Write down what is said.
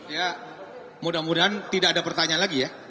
ya mudah mudahan tidak ada pertanyaan lagi ya